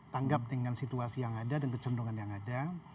tanggap dengan situasi yang ada dan kecenderungan yang ada